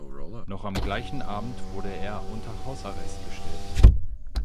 Noch am gleichen Abend wurde er unter Hausarrest gestellt.